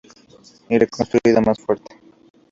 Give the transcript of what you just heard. Y reconstruida más tarde.